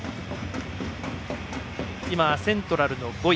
今、セントラルの５位。